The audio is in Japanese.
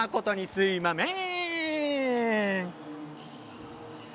すみません。